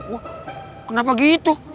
wah kenapa gitu